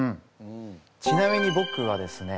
ちなみに僕はですね